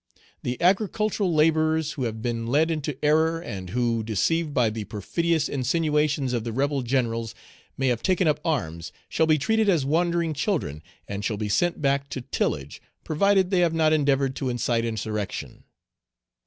The agricultural laborers who have been led into error, and who, deceived by the perfidious insinuations of the rebel Generals, may have taken up arms, shall be treated as wandering children, and shall be sent back to tillage, provided they have not endeavored to incite insurrection.